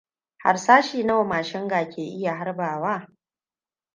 Harsashi nawa mashinga ke iya harbawa?